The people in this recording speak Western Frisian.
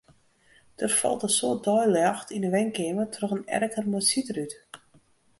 Der falt in soad deiljocht yn 'e wenkeamer troch in erker mei sydrút.